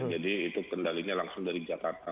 jadi itu kendalinya langsung dari jakarta